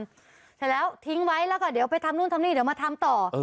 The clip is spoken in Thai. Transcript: เสร็จแล้วทิ้งไว้แล้วก็เดี๋ยวไปทำนู่นทำนี่เดี๋ยวมาทำต่อ